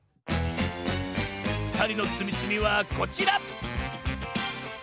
ふたりのつみつみはこちら！